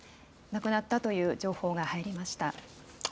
亡くなったという情報が入りました。